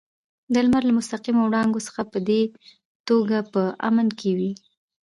د لمر له مستقیمو وړانګو څخه په دې توګه په امن کې وي.